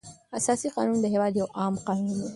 اساسي قانون د هېواد یو عام قانون دی.